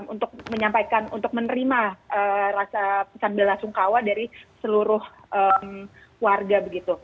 untuk menyampaikan untuk menerima rasa sambil asungkawa dari seluruh warga